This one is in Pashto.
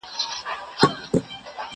څو مېږیانو پکښي وکړل تقریرونه